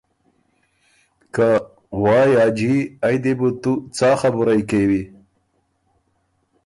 که ”وایٛ حاجی! ائ دی بو تُو څا خبُرئ کېوی؟“